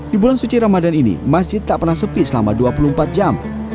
di bulan suci ramadan ini masjid tak pernah sepi selama dua puluh empat jam